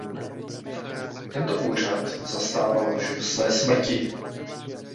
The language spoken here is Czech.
Tento úřad zastával až do své smrti.